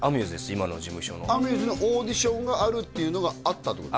今の事務所のアミューズのオーディションがあるっていうのがあったってこと？